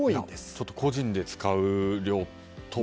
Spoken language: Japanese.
ちょっと、個人で使う量とは。